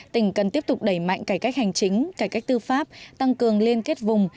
tỉnh cần tiếp tục đẩy mạnh cải cách hành chính cải cách tư pháp tăng cường liên kết vùng